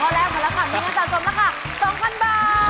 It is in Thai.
ตอนนี้คุณผ่านพอแล้วพอแล้วค่ะมีเงินสะสมราคา๒๐๐๐บาท